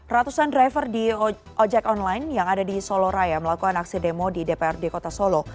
ratusan driver di ojek online yang ada di solo raya melakukan aksi demo di dprd kota solo